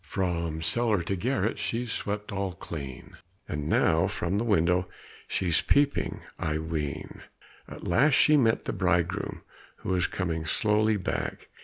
"From cellar to garret she's swept all clean, And now from the window she's peeping, I ween." At last she met the bridegroom, who was coming slowly back.